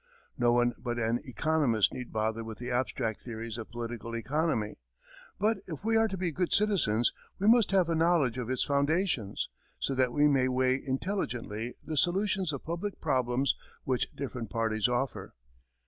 No one but an economist need bother with the abstract theories of political economy, but if we are to be good citizens, we must have a knowledge of its foundations, so that we may weigh intelligently the solutions of public problems which different parties offer.